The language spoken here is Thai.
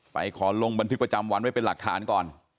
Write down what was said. ขอลงบันทึกประจำวันไว้เป็นหลักฐานก่อน